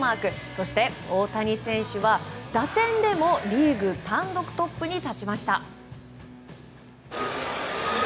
そして大谷選手は打点でもリーグ単独トップに立ちました。